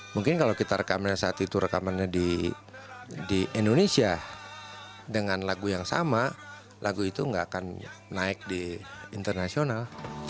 mungkin kalau kita rekamnya saat itu rekamannya di indonesia dengan lagu yang sama lagu itu nggak akan naik di internasional